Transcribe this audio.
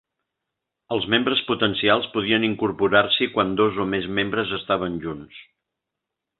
Els membres potencials podien incorporar-s'hi quan dos o més membres estaven junts.